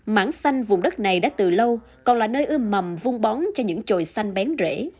mảng xanh vùng đất này đã từ lâu còn là nơi ưm mầm vung bóng cho những trồi xanh bén rễ